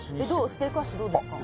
ステークアッシュどうですか？